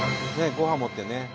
ご飯持ってね。